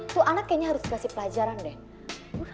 tuh anak kayaknya harus kasih pelajaran deh